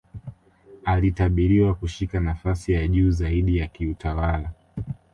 alitabiriwa kushika nafasi ya juu zaidi ya kiutawala